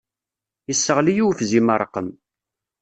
Yesseɣli i ufzim ṛṛqem.